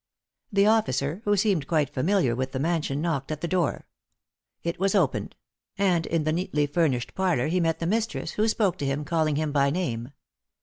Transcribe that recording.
The officer, who seemed quite familiar with the mansion, knocked at the door. It was opened; and in the neatly furnished parlor he met the mistress, who spoke to him, calling him by name.